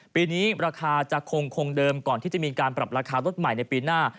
ปีนี้ราคาจะคงเดิมก่อนที่จะมีการปรับราคารถใหม่ในปีหน้า